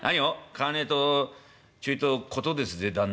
「買わねえとちょいとことですぜ旦那」。